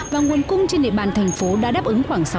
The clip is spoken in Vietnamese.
và nguồn cung trên địa bàn thành phố đã đáp ứng khoảng sáu mươi